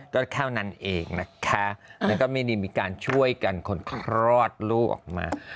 ก็เท่านั้นเองนะคะแล้วก็ไม่ได้มีการช่วยกันคนคลอดลูกออกมา